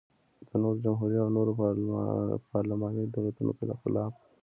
د نورو جمهوري او نورو پارلماني دولتونو پرخلاف.